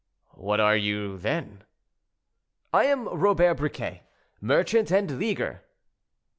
"What are you, then?" "I am Robert Briquet, merchant and leaguer."